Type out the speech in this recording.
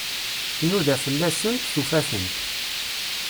Tnuda fell-asent, tufa-tent.